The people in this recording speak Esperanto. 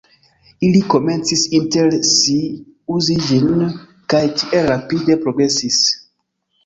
Ili komencis inter si uzi ĝin kaj tiel rapide progresis.